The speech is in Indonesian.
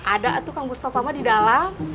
ada itu kang mustafa mah di dalam